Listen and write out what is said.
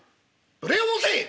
「無礼を申せ！